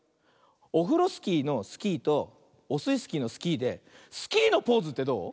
オフロスキーの「スキー」とオスイスキーの「スキー」でスキーのポーズってどう？